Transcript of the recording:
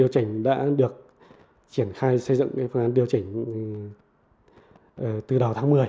triển khai xây dựng phương án điều chỉnh từ đầu tháng một mươi